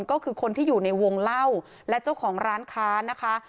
ก็คือคนที่อยู่ในวงเล่าและเจ้าของร้านค้านะคะ